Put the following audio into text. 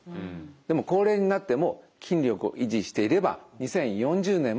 でも高齢になっても筋力を維持していれば２０４０年も心配ないはずです。